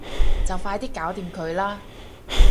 就快啲搞掂佢啦